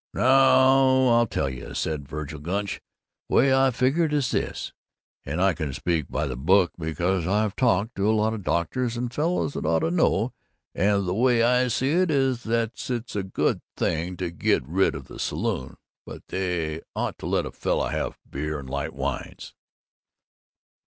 "Now, I'll tell you," said Vergil Gunch; "way I figure it is this, and I can speak by the book, because I've talked to a lot of doctors and fellows that ought to know, and the way I see it is that it's a good thing to get rid of the saloon, but they ought to let a fellow have beer and light wines."